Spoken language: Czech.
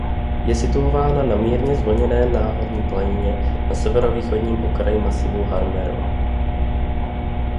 Je situována na mírně zvlněné náhorní planině na severovýchodním okraji masivu Har Meron.